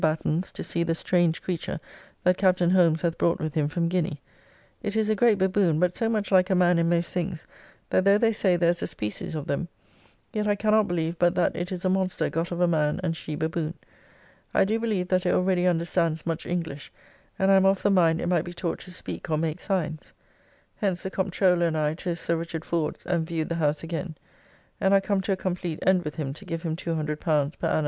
Batten's to see the strange creature that Captain Holmes hath brought with him from Guiny; it is a great baboon, but so much like a man in most things, that though they say there is a species of them, yet I cannot believe but that it is a monster got of a man and she baboon. I do believe that it already understands much English, and I am of the mind it might be taught to speak or make signs. Hence the Comptroller and I to Sir Rd. Ford's and viewed the house again, and are come to a complete end with him to give him L200 per an.